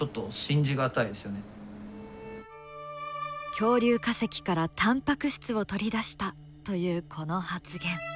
恐竜化石からタンパク質を取り出したというこの発言。